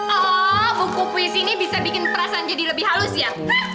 oh buku kuis ini bisa bikin perasaan jadi lebih halus ya